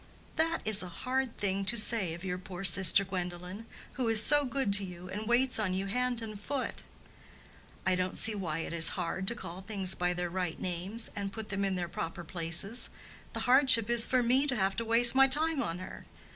"That is a hard thing to say of your poor sister, Gwendolen, who is so good to you, and waits on you hand and foot." "I don't see why it is hard to call things by their right names, and put them in their proper places. The hardship is for me to have to waste my time on her.